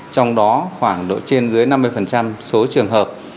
trong đó khoảng độ trên dưới năm mươi số trường hợp